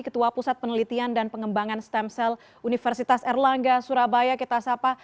ketua pusat penelitian dan pengembangan stem cell universitas erlangga surabaya kita sapa